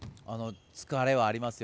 疲れはありますよ。